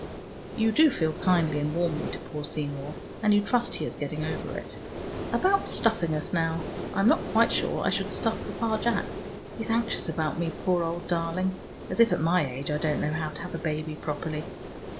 You do feel kindly and warmly to poor Seymour, and you trust he is getting over it. About stuffing us, now. I'm not quite sure I should stuff Papa Jack. He's anxious about me, poor old darling, as if at my age I didn't know how to have a baby properly.